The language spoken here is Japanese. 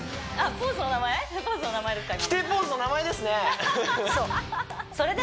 ポーズの名前ですか？